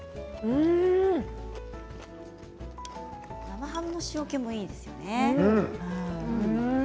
生ハムの塩けもいいですよね。